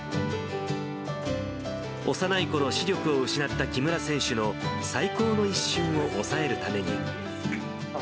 幼いころ、視力を失った木村選手の最高の一瞬を押さえるために。